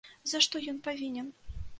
За што ён павінен?